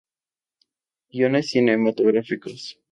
Guiones cinematográficos